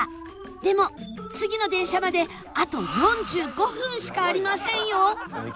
でも次の電車まであと４５分しかありませんよ